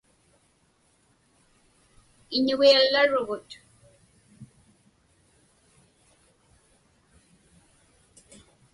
Iñugiallarugut.